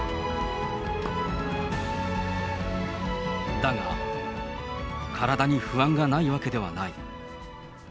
だが、体に不安がないわけではない。